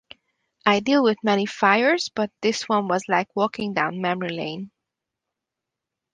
I deal with many fires but this one was like walking down memory lane.